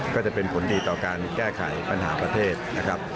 ก็จะเป็นผลดีต่อการแก้ไขปัญหาประเทศนะครับ